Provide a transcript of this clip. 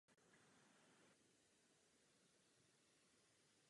Výrobci dávají pouze aktivní chladiče.